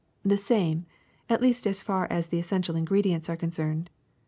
^^The same, at least as far as the essential ingre dients are concerned.